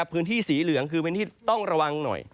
พื้นที่สีเหลืองคือพื้นที่ต้องระวังหน่อย